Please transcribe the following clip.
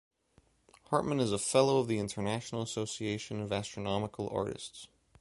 Hartmann is a Fellow of the International Association of Astronomical Artists.